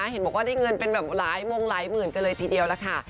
เห็นบอกว่าได้เงินเป็นแบบหลายมงหลายหมื่นกันเลยทีเดียวล่ะค่ะ